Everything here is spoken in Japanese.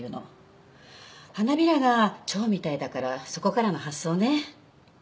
花びらが蝶みたいだからそこからの発想ね。